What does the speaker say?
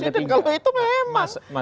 kalau itu memang